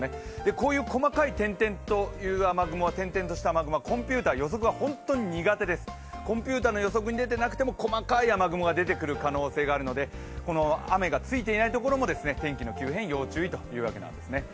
こういう細かい点々とした雨雲はコンピューター予測が本当に苦手ですコンピューターの予測に出てなくても細かい雨雲が出てくる可能性があるので雨がついていないところも天気の急変要注意というわけなんですね。